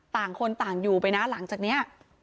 ต่างคนต่างอยู่ไปนะหลังจากนี้